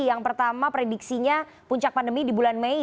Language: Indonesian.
yang pertama prediksinya puncak pandemi di bulan mei